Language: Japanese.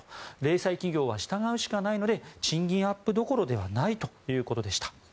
零細企業は従うしかないので賃金アップどころではないということでした。